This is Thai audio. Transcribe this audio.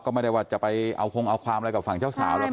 ก็ไม่ได้ว่าจะไปเอาคงเอาความอะไรกับฝั่งเจ้าสาวหรอก